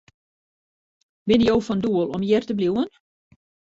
Binne jo fan doel om hjir te bliuwen?